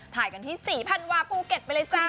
ถ่ายกันที่ศรีพันวาภูเก็ตไปเลยจ้า